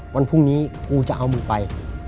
วันพรุ่งนี้กูจะเอามึงไป